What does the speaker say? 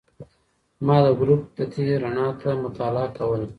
ما د ګروپ تتې رڼا ته مطالعه کوله.